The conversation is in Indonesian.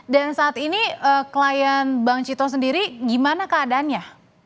dan saat ini klien bang cito sendiri gimana keadaannya